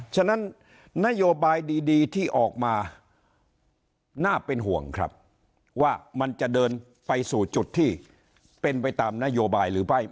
ฉะนั้นนโยบายดีที่ออกมาน่าเป็นห่วงครับว่ามันจะเดินไปสู่จุดที่เป็นไปตามนโยบายหรือไม่